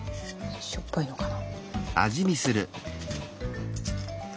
しょっぱいのかな。